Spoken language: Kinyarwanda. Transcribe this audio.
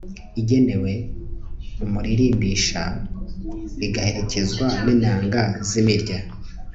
igenewe umuririmbisha, igaherekezwa n'inanga z'imirya